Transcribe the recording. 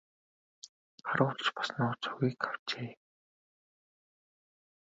Харуул ч бас нууц үгийг авчээ.